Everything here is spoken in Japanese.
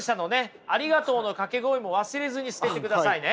ありがとうの掛け声も忘れずに捨ててくださいね。